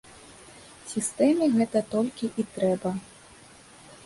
Сістэме гэта толькі і трэба.